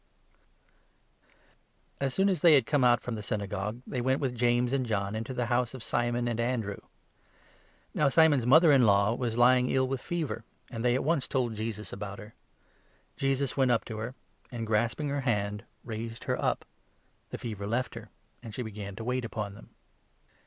Cure As soon as they had come out from the Syna 29 M 0hPr"*nri*w £°&ue> tney wen*» with James and John, into and of'many' the house of Simon and Andrew. Now Simon's 30 others. mother in law was lying ill with fever, and they at once told Jesus about her. Jesus went up to her and, 31 grasping her hand, raised her up ; the fever left her, and she began to wait upon them.